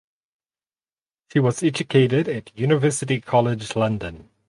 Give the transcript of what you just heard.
She was educated at University College London.